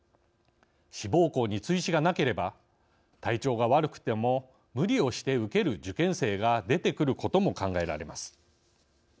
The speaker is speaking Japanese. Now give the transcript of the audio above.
志望校に追試がなければ体調が悪くても無理をして受ける受験生が出てくることも考えられます。